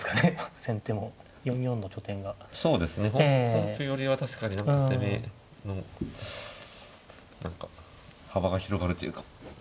本譜よりは確かに攻めの何か幅が広がるというか。